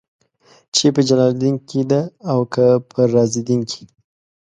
چې په جلال الدين کې ده او که په رازالدين کې.